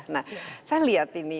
nah saya lihat ini